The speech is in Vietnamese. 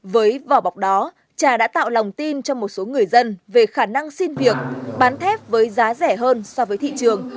với vỏ bọc đó trà đã tạo lòng tin cho một số người dân về khả năng xin việc bán thép với giá rẻ hơn so với thị trường